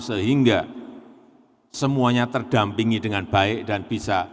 sehingga semuanya terdampingi dengan baik dan bisa tidak gagal